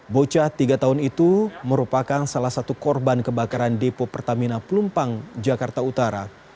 bocah tiga tahun itu merupakan salah satu korban kebakaran depo pertamina pelumpang jakarta utara